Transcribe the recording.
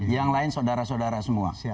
yang lain saudara saudara semua